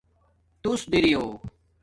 تُݸس دریݸ